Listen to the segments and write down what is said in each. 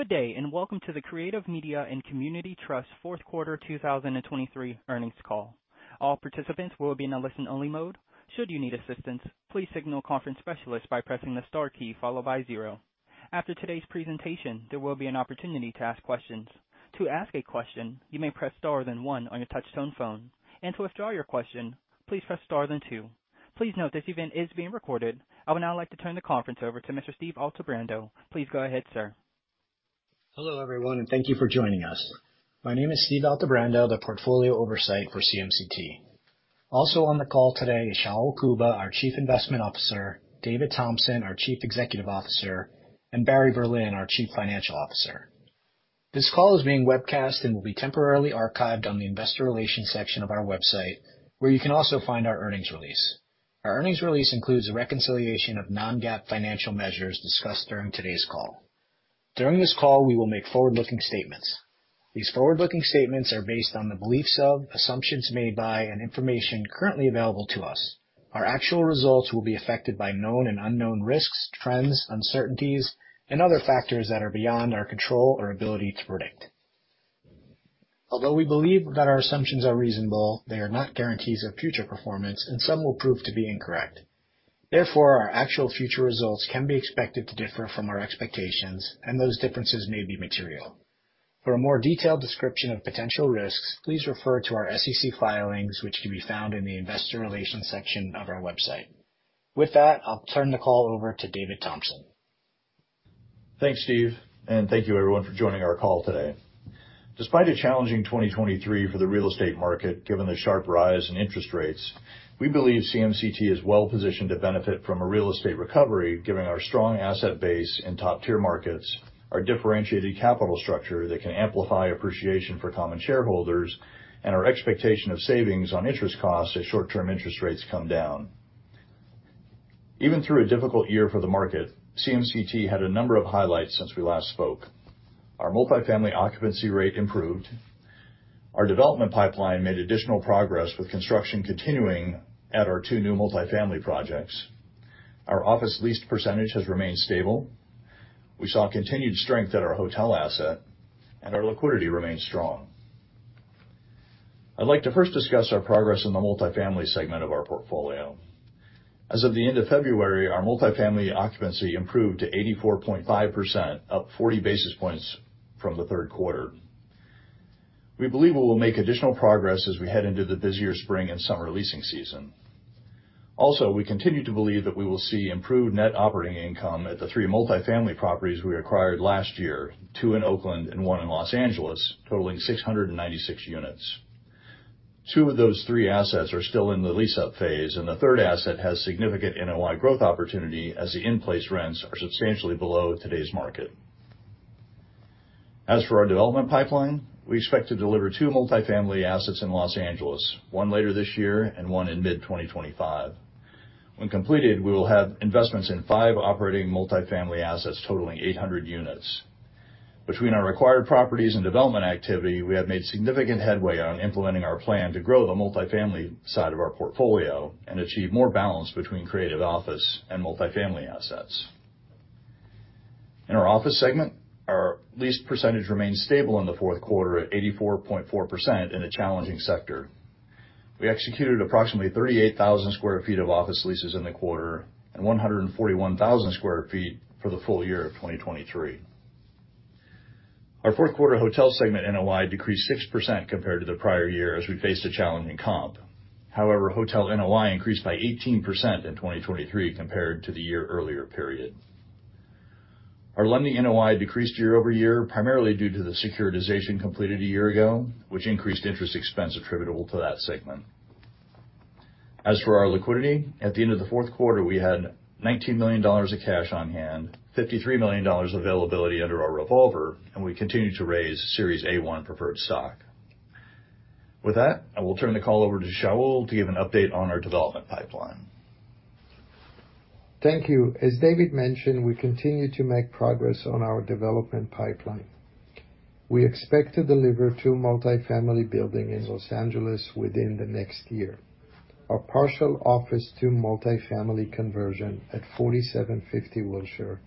Good day and welcome to the Creative Media & Community Trust Q4 2023 earnings call. All participants will be in a listen-only mode. Should you need assistance, please signal a conference specialist by pressing the star key followed by zero. After today's presentation, there will be an opportunity to ask questions. To ask a question, you may press star then one on your touch-tone phone, and to withdraw your question, please press star then two. Please note this event is being recorded. I would now like to turn the conference over to Mr. Steve Altebrando. Please go ahead, sir. Hello everyone, and thank you for joining us. My name is Steve Altebrando, the Portfolio Oversight for CMCT. Also on the call today is Shaul Kuba, our Chief Investment Officer, David Thompson, our Chief Executive Officer, and Barry Berlin, our Chief Financial Officer. This call is being webcast and will be temporarily archived on the investor relations section of our website, where you can also find our earnings release. Our earnings release includes a reconciliation of non-GAAP financial measures discussed during today's call. During this call, we will make forward-looking statements. These forward-looking statements are based on the beliefs of, assumptions made by, and information currently available to us. Our actual results will be affected by known and unknown risks, trends, uncertainties, and other factors that are beyond our control or ability to predict. Although we believe that our assumptions are reasonable, they are not guarantees of future performance, and some will prove to be incorrect. Therefore, our actual future results can be expected to differ from our expectations, and those differences may be material. For a more detailed description of potential risks, please refer to our SEC filings, which can be found in the investor relations section of our website. With that, I'll turn the call over to David Thompson. Thanks, Steve, and thank you everyone for joining our call today. Despite a challenging 2023 for the real estate market given the sharp rise in interest rates, we believe CMCT is well positioned to benefit from a real estate recovery given our strong asset base in top-tier markets, our differentiated capital structure that can amplify appreciation for common shareholders, and our expectation of savings on interest costs as short-term interest rates come down. Even through a difficult year for the market, CMCT had a number of highlights since we last spoke. Our multifamily occupancy rate improved. Our development pipeline made additional progress with construction continuing at our two new multifamily projects. Our office leased percentage has remained stable. We saw continued strength at our hotel asset, and our liquidity remains strong. I'd like to first discuss our progress in the multifamily segment of our portfolio. As of the end of February, our multifamily occupancy improved to 84.5%, up 40 basis points from the Q3. We believe we will make additional progress as we head into the busier spring and summer leasing season. Also, we continue to believe that we will see improved net operating income at the three multifamily properties we acquired last year, two in Oakland and one in Los Angeles, totaling 696 units. Two of those three assets are still in the lease-up phase, and the third asset has significant NOI growth opportunity as the in-place rents are substantially below today's market. As for our development pipeline, we expect to deliver two multifamily assets in Los Angeles, one later this year and one in mid-2025. When completed, we will have investments in five operating multifamily assets totaling 800 units. Between our acquired properties and development activity, we have made significant headway on implementing our plan to grow the multifamily side of our portfolio and achieve more balance between creative office and multifamily assets. In our office segment, our leased percentage remains stable in the Q4 at 84.4% in a challenging sector. We executed approximately 38,000 sq ft of office leases in the quarter and 141,000 sq ft for the full year of 2023. Our Q4 hotel segment NOI decreased 6% compared to the prior year as we faced a challenging comp. However, hotel NOI increased by 18% in 2023 compared to the year earlier. Our lending NOI decreased year-over-year primarily due to the securitization completed a year ago, which increased interest expense attributable to that segment. As for our liquidity, at the end of the Q4, we had $19 million of cash on hand, $53 million availability under our revolver, and we continue to raise Series A1 Preferred Stock. With that, I will turn the call over to Shaul to give an update on our development pipeline. Thank you. As David mentioned, we continue to make progress on our development pipeline. We expect to deliver two multifamily buildings in Los Angeles within the next year: our partial office-to-multifamily conversion at 4750 Wilshire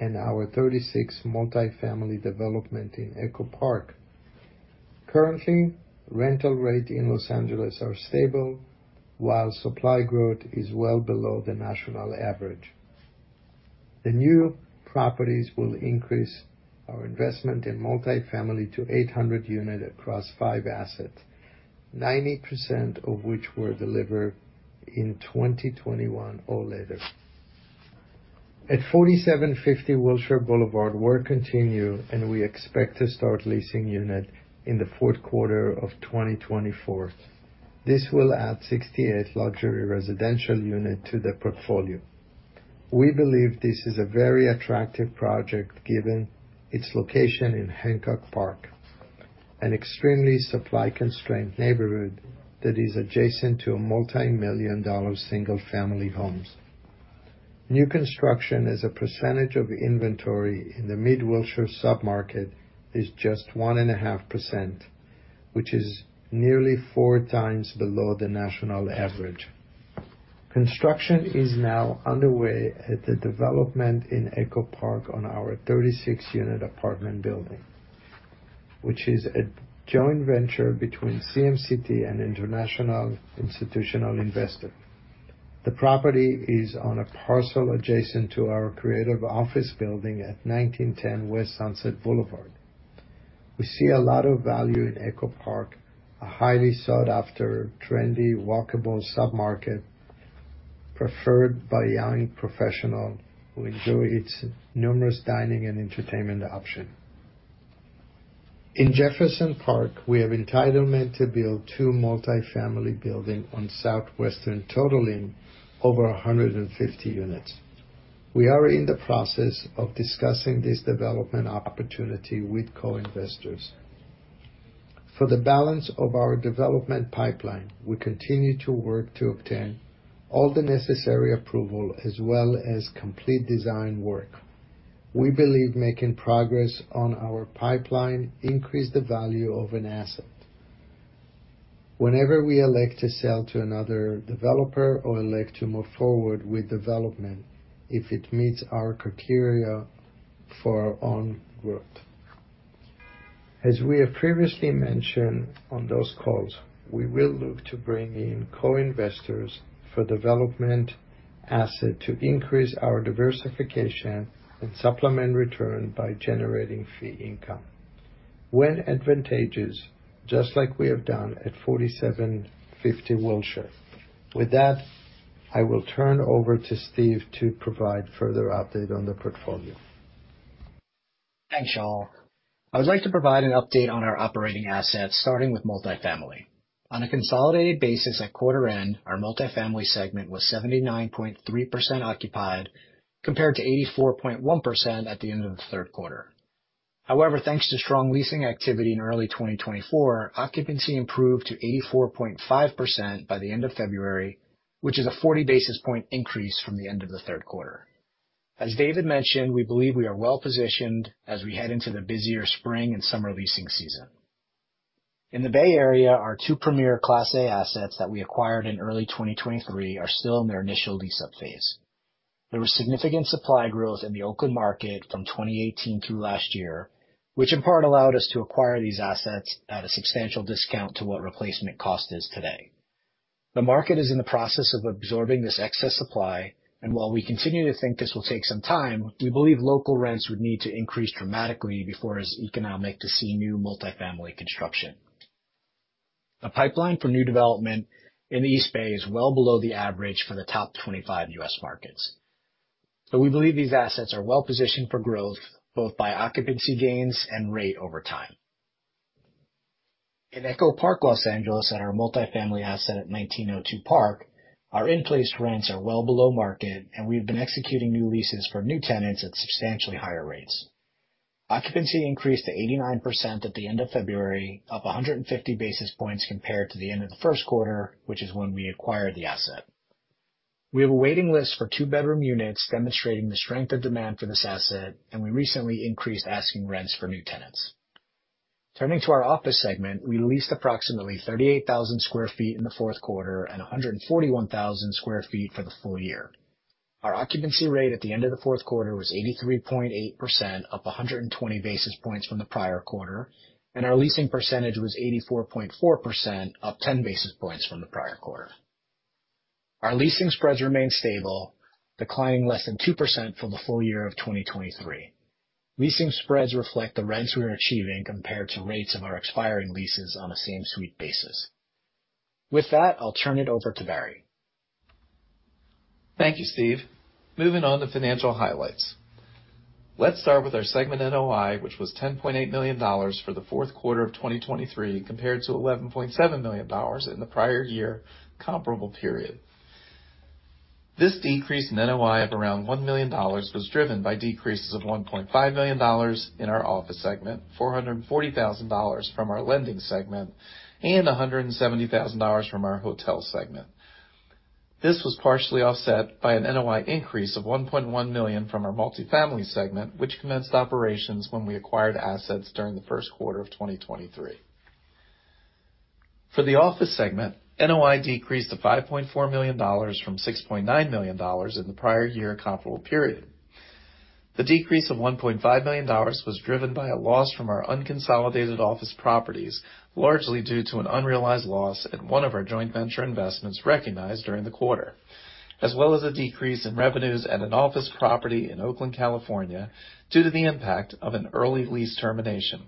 and our 36 multifamily development in Echo Park. Currently, rental rates in Los Angeles are stable, while supply growth is well below the national average. The new properties will increase our investment in multifamily to 800 units across five assets, 90% of which were delivered in 2021 or later. At 4750 Wilshire Boulevard, work continues, and we expect to start leasing units in the Q4 of 2024. This will add 68 luxury residential units to the portfolio. We believe this is a very attractive project given its location in Hancock Park, an extremely supply-constrained neighborhood that is adjacent to multi-million-dollar single-family homes. New construction as a percentage of inventory in the Mid-Wilshire submarket is just 1.5%, which is nearly 4x below the national average. Construction is now underway at the development in Echo Park on our 36-unit apartment building, which is a joint venture between CMCT and an international institutional investor. The property is on a parcel adjacent to our creative office building at 1910 West Sunset Boulevard. We see a lot of value in Echo Park, a highly sought-after, trendy, walkable submarket preferred by young professionals who enjoy its numerous dining and entertainment options. In Jefferson Park, we have entitlement to build two multifamily buildings on South Western totaling over 150 units. We are in the process of discussing this development opportunity with co-investors. For the balance of our development pipeline, we continue to work to obtain all the necessary approval as well as complete design work. We believe making progress on our pipeline increases the value of an asset whenever we elect to sell to another developer or elect to move forward with development if it meets our criteria for on-growth. As we have previously mentioned on those calls, we will look to bring in co-investors for development assets to increase our diversification and supplement return by generating fee income when advantageous, just like we have done at 4750 Wilshire. With that, I will turn over to Steve to provide further updates on the portfolio. Thanks, Shaul. I would like to provide an update on our operating assets, starting with multifamily. On a consolidated basis at quarter-end, our multifamily segment was 79.3% occupied compared to 84.1% at the end of the Q3. However, thanks to strong leasing activity in early 2024, occupancy improved to 84.5% by the end of February, which is a 40 basis point increase from the end of the Q4. As David mentioned, we believe we are well positioned as we head into the busier spring and summer leasing season. In the Bay Area, our two premier Class A assets that we acquired in early 2023 are still in their initial lease-up phase. There was significant supply growth in the Oakland market from 2018 through last year, which in part allowed us to acquire these assets at a substantial discount to what replacement cost is today. The market is in the process of absorbing this excess supply, and while we continue to think this will take some time, we believe local rents would need to increase dramatically before it is economic to see new multifamily construction. The pipeline for new development in the East Bay is well below the average for the top 25 U.S. markets, but we believe these assets are well positioned for growth both by occupancy gains and rate over time. In Echo Park, Los Angeles, at our multifamily asset at 1902 Park, our in-place rents are well below market, and we have been executing new leases for new tenants at substantially higher rates. Occupancy increased to 89% at the end of February, up 150 basis points compared to the end of the first quarter, which is when we acquired the asset. We have a waiting list for two-bedroom units demonstrating the strength of demand for this asset, and we recently increased asking rents for new tenants. Turning to our office segment, we leased approximately 38,000 sq ft in the Q4 and 141,000 sq ft for the full year. Our occupancy rate at the end of the Q4 was 83.8%, up 120 basis points from the prior quarter, and our leasing percentage was 84.4%, up 10 basis points from the prior quarter. Our leasing spreads remain stable, declining less than 2% for the full year of 2023. Leasing spreads reflect the rents we are achieving compared to rates of our expiring leases on a same-suite basis. With that, I'll turn it over to Barry. Thank you, Steve. Moving on to financial highlights. Let's start with our segment NOI, which was $10.8 million for the Q4 of 2023 compared to $11.7 million in the prior year comparable period. This decrease in NOI of around $1 million was driven by decreases of $1.5 million in our office segment, $440,000 from our lending segment, and $170,000 from our hotel segment. This was partially offset by an NOI increase of $1.1 million from our multifamily segment, which commenced operations when we acquired assets during the Q1 of 2023. For the office segment, NOI decreased to $5.4 million from $6.9 million in the prior year comparable period. The decrease of $1.5 million was driven by a loss from our unconsolidated office properties, largely due to an unrealized loss at one of our joint venture investments recognized during the quarter, as well as a decrease in revenues at an office property in Oakland, California, due to the impact of an early lease termination.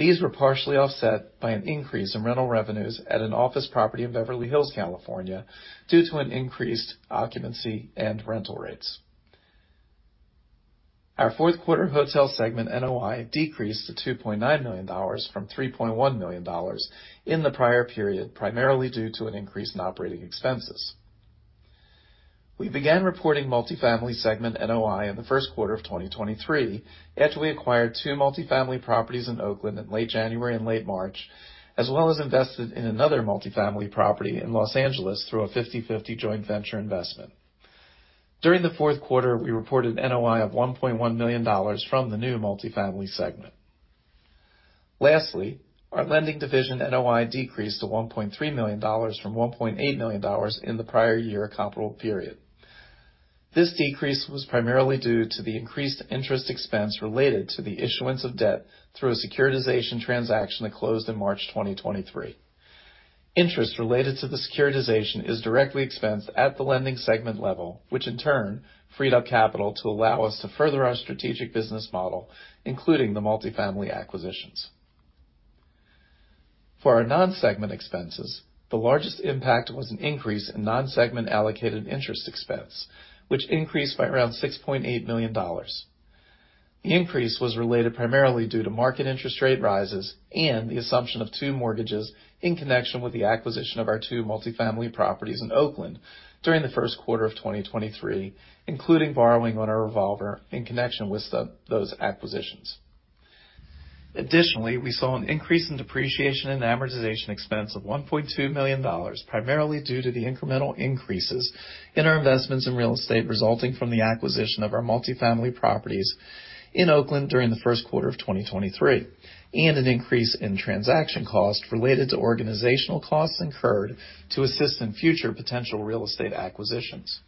These were partially offset by an increase in rental revenues at an office property in Beverly Hills, California, due to an increased occupancy and rental rates. Our Q4 hotel segment NOI decreased to $2.9 million from $3.1 million in the prior period, primarily due to an increase in operating expenses. We began reporting multifamily segment NOI in the Q1 of 2023 after we acquired two multifamily properties in Oakland in late January and late March, as well as invested in another multifamily property in Los Angeles through a 50/50 joint venture investment. During the Q4, we reported NOI of $1.1 million from the new multifamily segment. Lastly, our lending division NOI decreased to $1.3 million from $1.8 million in the prior year comparable period. This decrease was primarily due to the increased interest expense related to the issuance of debt through a securitization transaction that closed in March 2023. Interest related to the securitization is directly expensed at the lending segment level, which in turn freed up capital to allow us to further our strategic business model, including the multifamily acquisitions. For our non-segment expenses, the largest impact was an increase in non-segment allocated interest expense, which increased by around $6.8 million. The increase was related primarily due to market interest rate rises and the assumption of two mortgages in connection with the acquisition of our two multifamily properties in Oakland during the Q1of 2023, including borrowing on our revolver in connection with those acquisitions. Additionally, we saw an increase in depreciation and amortization expense of $1.2 million, primarily due to the incremental increases in our investments in real estate resulting from the acquisition of our multifamily properties in Oakland during the Q1 of 2023, and an increase in transaction costs related to organizational costs incurred to assist in future potential real estate acquisitions.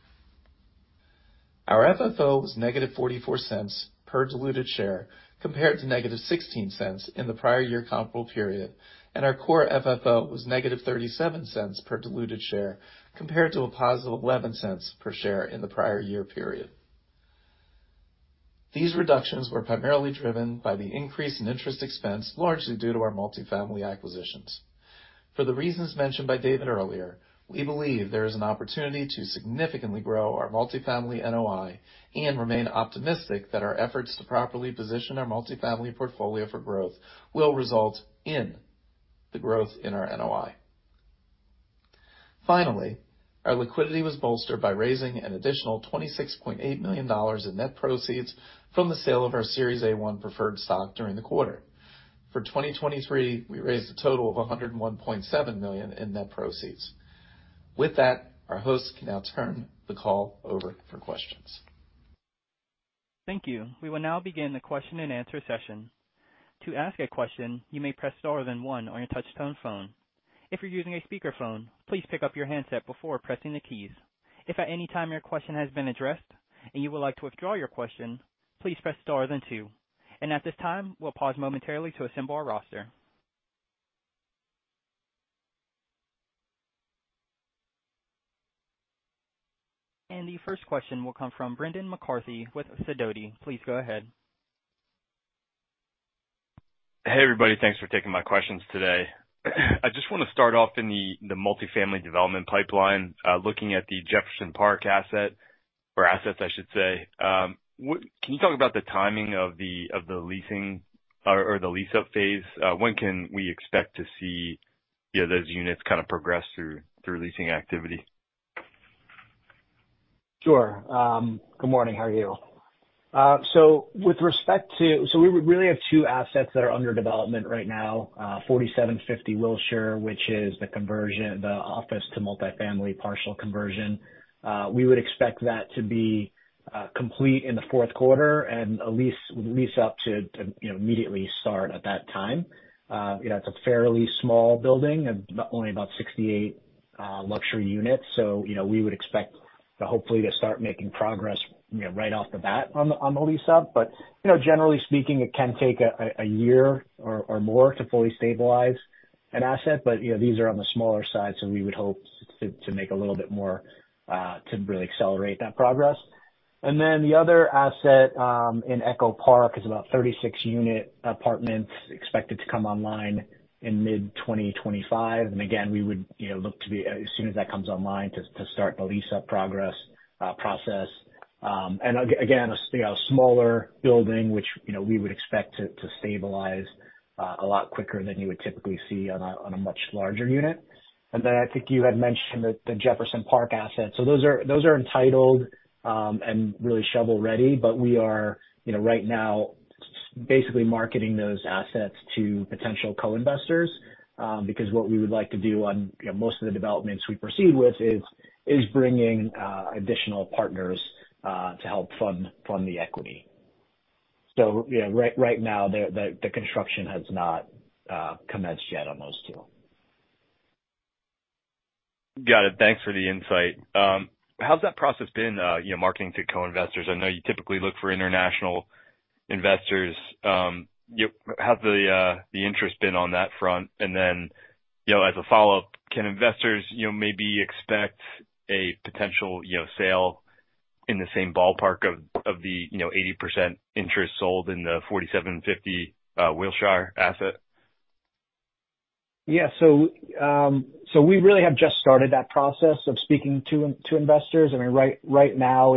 Our FFO was -$0.44 per diluted share compared to -$0.16 in the prior year comparable period, and our core FFO was -$0.37 per diluted share compared to $0.11 per share in the prior year period. These reductions were primarily driven by the increase in interest expense, largely due to our multifamily acquisitions. For the reasons mentioned by David earlier, we believe there is an opportunity to significantly grow our multifamily NOI and remain optimistic that our efforts to properly position our multifamily portfolio for growth will result in the growth in our NOI. Finally, our liquidity was bolstered by raising an additional $26.8 million in net proceeds from the sale of our Series A1 Preferred Stock during the quarter. For 2023, we raised a total of $101.7 million in net proceeds. With that, our hosts can now turn the call over for questions. Thank you. We will now begin the question-and-answer session. To ask a question, you may press star, then one on your touch-tone phone. If you're using a speakerphone, please pick up your handset before pressing the keys. If at any time your question has been addressed and you would like to withdraw your question, please press star, then two. And at this time, we'll pause momentarily to assemble our roster. And the first question will come from Brendan McCarthy with Sidoti. Please go ahead. Hey, everybody. Thanks for taking my questions today. I just want to start off in the multifamily development pipeline, looking at the Jefferson Park asset or assets, I should say. Can you talk about the timing of the leasing or the lease-up phase? When can we expect to see those units kind of progress through leasing activity? Sure. Good morning. How are you? So with respect to, we really have two assets that are under development right now, 4750 Wilshire, which is the conversion, the office-to-multifamily partial conversion. We would expect that to be complete in the Q4 and lease-up would immediately start at that time. It's a fairly small building, only about 68 luxury units. So we would expect to hopefully start making progress right off the bat on the lease-up. But generally speaking, it can take a year or more to fully stabilize an asset. But these are on the smaller side, so we would hope to make a little bit more to really accelerate that progress. And then the other asset in Echo Park is about 36-unit apartments expected to come online in mid-2025. And again, we would look to be as soon as that comes online to start the lease-up process. And again, a smaller building, which we would expect to stabilize a lot quicker than you would typically see on a much larger unit. And then I think you had mentioned the Jefferson Park asset. So those are entitled and really shovel-ready, but we are right now basically marketing those assets to potential co-investors because what we would like to do on most of the developments we proceed with is bringing additional partners to help fund the equity. So right now, the construction has not commenced yet on those two. Got it. Thanks for the insight. How's that process been marketing to co-investors? I know you typically look for international investors. Has the interest been on that front? And then as a follow-up, can investors maybe expect a potential sale in the same ballpark of the 80% interest sold in the 4750 Wilshire asset? Yeah. So we really have just started that process of speaking to investors. I mean, right now,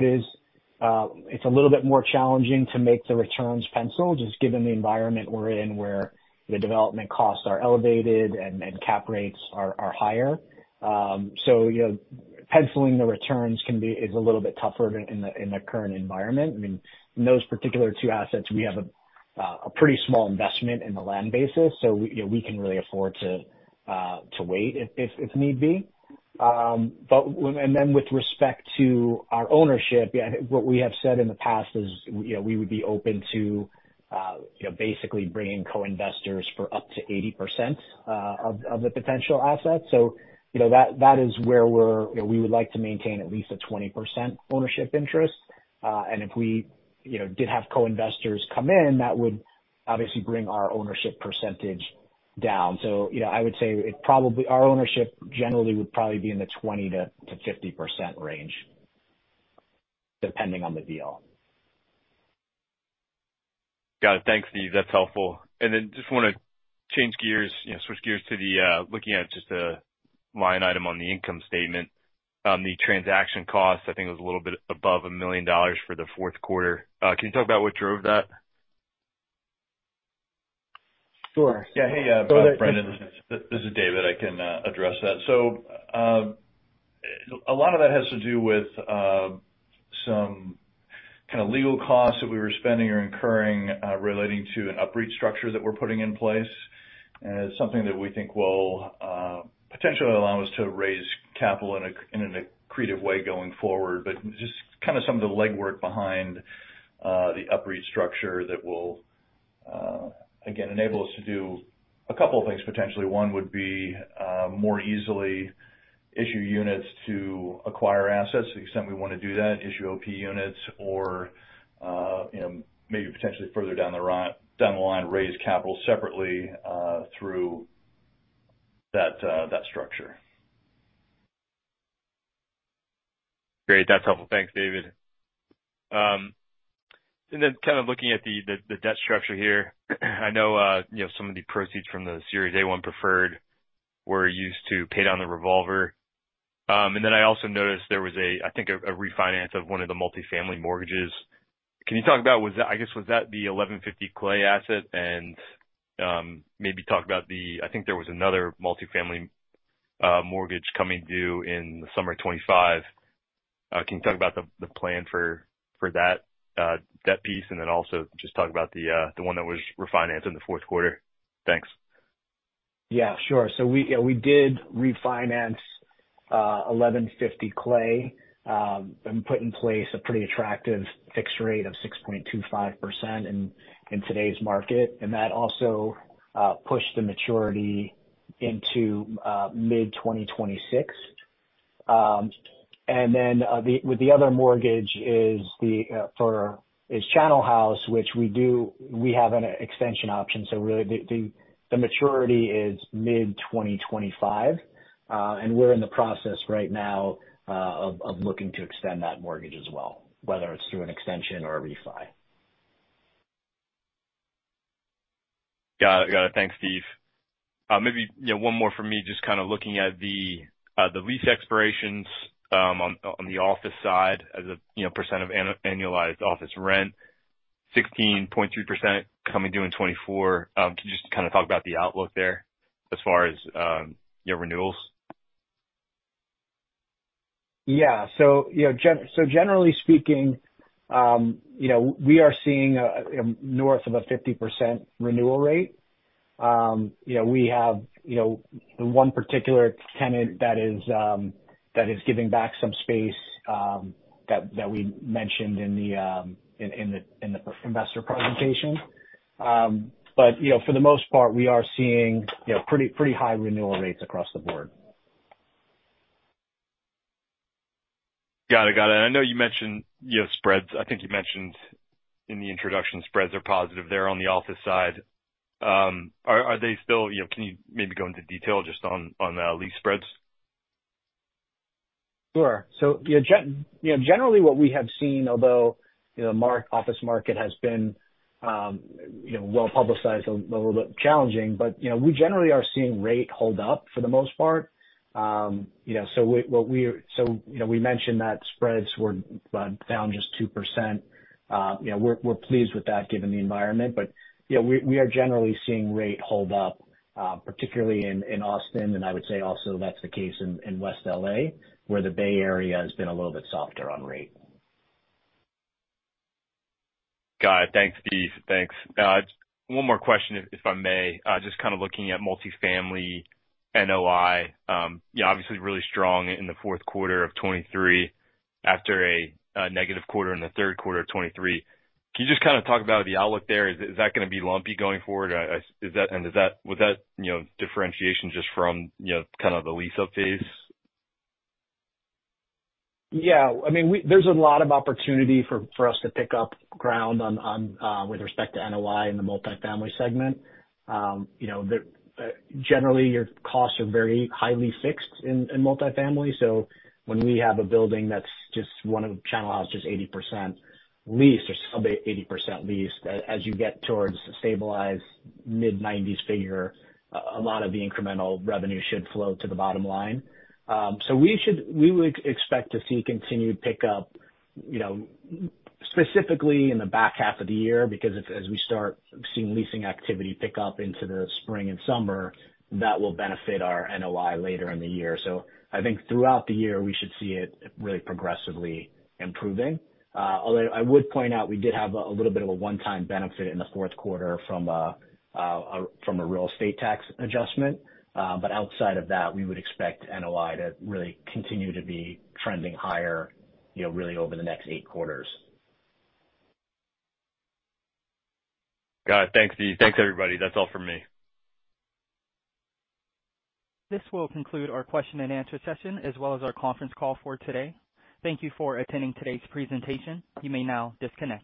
it's a little bit more challenging to make the returns pencil just given the environment we're in, where the development costs are elevated and cap rates are higher. So penciling the returns is a little bit tougher in the current environment. I mean, in those particular two assets, we have a pretty small investment in the land basis, so we can really afford to wait if need be. And then with respect to our ownership, what we have said in the past is we would be open to basically bringing co-investors for up to 80% of the potential asset. So that is where we would like to maintain at least a 20% ownership interest. And if we did have co-investors come in, that would obviously bring our ownership percentage down. I would say our ownership generally would probably be in the 20%-50% range depending on the deal. Got it. Thanks, Steve. That's helpful. Then just want to change gears, switch gears to looking at just a line item on the income statement. The transaction cost, I think, was a little bit above $1 million for the Q4. Can you talk about what drove that? Sure. Yeah. Hey, Brendan. This is David. I can address that. So a lot of that has to do with some kind of legal costs that we were spending or incurring relating to a UPREIT structure that we're putting in place. And it's something that we think will potentially allow us to raise capital in a creative way going forward, but just kind of some of the legwork behind the UPREIT structure that will, again, enable us to do a couple of things potentially. One would be more easily issue units to acquire assets to the extent we want to do that, issue OP units, or maybe potentially further down the line, raise capital separately through that structure. Great. That's helpful. Thanks, David. And then kind of looking at the debt structure here, I know some of the proceeds from the Series A1 preferred were used to pay on the revolver. And then I also noticed there was, I think, a refinance of one of the multifamily mortgages. Can you talk about, I guess, was that the 1150 Clay asset? And maybe talk about the, I think there was another multifamily mortgage coming due in the summer 2025. Can you talk about the plan for that piece and then also just talk about the one that was refinanced in the Q4? Thanks. Yeah. Sure. So we did refinance 1150 Clay and put in place a pretty attractive fixed rate of 6.25% in today's market. And that also pushed the maturity into mid-2026. And then with the other mortgage is Channel House, which we have an extension option. So really, the maturity is mid-2025. And we're in the process right now of looking to extend that mortgage as well, whether it's through an extension or a refi. Got it. Thanks, Steve. Maybe one more for me, just kind of looking at the lease expirations on the office side as a percent of annualized office rent, 16.3% coming due in 2024. Can you just kind of talk about the outlook there as far as renewals? Yeah. Generally speaking, we are seeing north of a 50% renewal rate. We have the one particular tenant that is giving back some space that we mentioned in the investor presentation. But for the most part, we are seeing pretty high renewal rates across the board. Got it. Got it. I know you mentioned spreads. I think you mentioned in the introduction, spreads are positive there on the office side. Are they still- can you maybe go into detail just on lease spreads? Sure. So generally, what we have seen, although the office market has been well-publicized, a little bit challenging, but we generally are seeing rate hold up for the most part. So what we mentioned that spreads were down just 2%. We're pleased with that given the environment. But we are generally seeing rate hold up, particularly in Austin. And I would say also that's the case in West LA, where the Bay Area has been a little bit softer on rate. Got it. Thanks, Steve. Thanks. One more question, if I may. Just kind of looking at multifamily NOI, obviously really strong in the Q4 of 2023 after a negative quarter in the Q3 of 2023. Can you just kind of talk about the outlook there? Is that going to be lumpy going forward? And was that differentiation just from kind of the lease-up phase? Yeah. I mean, there's a lot of opportunity for us to pick up ground with respect to NOI in the multifamily segment. Generally, your costs are very highly fixed in multifamily. So when we have a building that's just one of Channel House is just 80% leased or sub-80% leased, as you get towards a stabilized mid-90s figure, a lot of the incremental revenue should flow to the bottom line. So we would expect to see continued pickup specifically in the back half of the year because as we start seeing leasing activity pick up into the spring and summer, that will benefit our NOI later in the year. So I think throughout the year, we should see it really progressively improving. Although I would point out we did have a little bit of a one-time benefit in the Q4 from a real estate tax adjustment. Outside of that, we would expect NOI to really continue to be trending higher really over the next eight quarters. Got it. Thanks, Steve. Thanks, everybody. That's all from me. This will conclude our question-and-answer session as well as our conference call for today. Thank you for attending today's presentation. You may now disconnect.